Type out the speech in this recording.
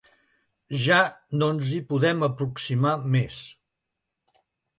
Ja no ens hi podem aproximar més.